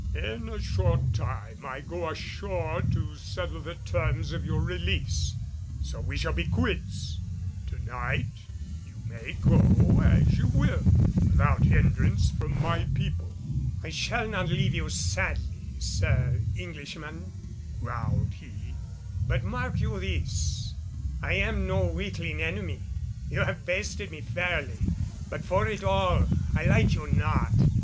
In a short time I go ashore to settle the terms of your release; so we shall be quits. To night you may go as you will without hindrance from my people." "I shall not leave you sadly, Sir Englishman," growled he. "But mark you this, I am no weakling enemy. You have bested me fairly, but for it all I like you not.